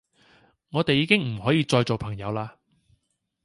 我哋已經唔可以再做朋友啦